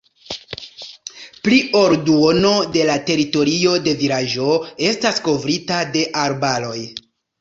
Pli ol duono de la teritorio de vilaĝo estas kovrita de arbaroj.